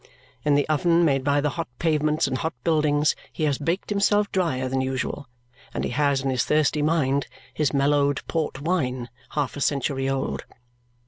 In the oven made by the hot pavements and hot buildings, he has baked himself dryer than usual; and he has in his thirsty mind his mellowed port wine half a century old.